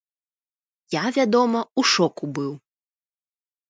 Я, вядома, у шоку быў.